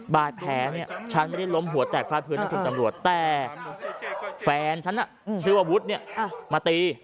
บาดแผลเนี่ยฉันไม่ได้ล้มหัวแตกฟาดพื้นนะคุณตำรวจแต่แฟนฉันชื่อว่าวุฒิเนี่ยมาตี